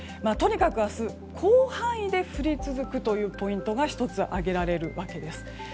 とにかく明日、広範囲で降り続くというポイントが１つ、挙げられる訳です。